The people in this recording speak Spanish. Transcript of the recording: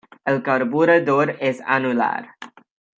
El carburador es anular.